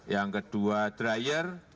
yang kedua dryer